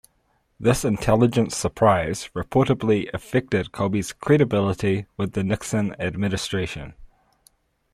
This intelligence surprise reportedly affected Colby's credibility with the Nixon Administration.